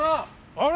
あれ？